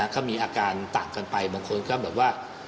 ก็มีอาการต่างกันไปบางคนก็แบบว่า